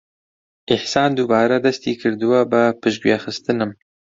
ئیحسان دووبارە دەستی کردووە بە پشتگوێخستنم.